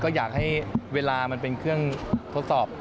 ก็อยากให้เวลามันเป็นเครื่องทดสอบ